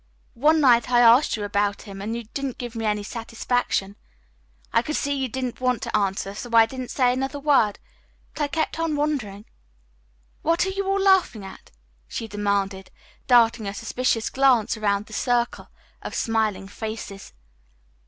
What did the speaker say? One night I asked you about him and you didn't give me any satisfaction. I could see that you didn't want to answer, so I didn't say another word, but I kept on wondering. What are you all laughing at?" she demanded, darting a suspicious glance about the circle of smiling faces.